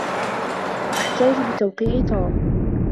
أحتاج لتوقيع توم.